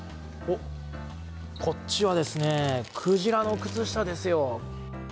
こっちはクジラの靴下ですよ。